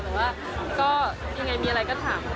แต่ว่าก็ยังไงมีอะไรก็ถาม